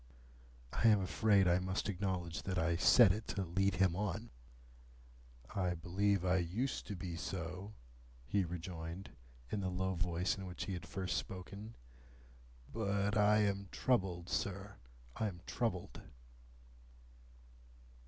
(I am afraid I must acknowledge that I said it to lead him on.) "I believe I used to be so," he rejoined, in the low voice in which he had first spoken; "but I am troubled, sir, I am troubled."